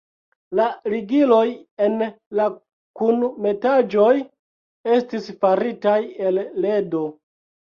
La ligiloj en la kunmetaĵoj estis faritaj el ledo.